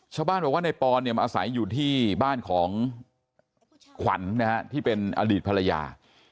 ชาวบ้านบอกว่าในปอนเนี่ยมาอาศัยอยู่ที่บ้านของขวัญนะฮะที่เป็นอดีตภรรยา